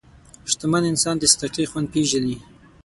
شتمن انسان د صدقې خوند پېژني.